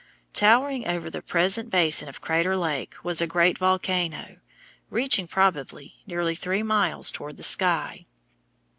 Towering over the present basin of Crater Lake was a great volcano, reaching, probably, nearly three miles toward the sky.